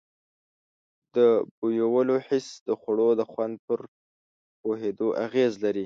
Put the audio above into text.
د بویولو حس د خوړو د خوند پر پوهېدو اغیز لري.